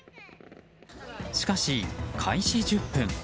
しかし、開始１０分。